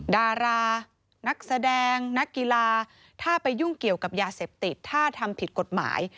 ดารานักแสดงนักกีฬาถ้าไปยุ่งเกี่ยวกับยาเสพติดถ้าทำผิดกฎหมาย